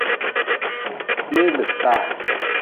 Mee bi saha.